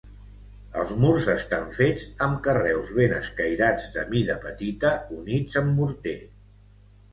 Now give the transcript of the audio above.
Els murs estan fets amb carreus ben escairats de mida petita units amb morter.